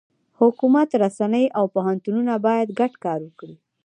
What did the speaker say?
حکومت، رسنۍ، او پوهنتونونه باید ګډ کار وکړي.